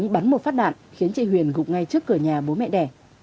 tùng đuổi theo một phát đạn khiến chị huyền gục ngay trước cửa nhà bố mẹ đẻ